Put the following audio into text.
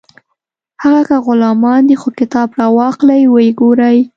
هغه که غلامان دي خو کتاب راواخلئ وګورئ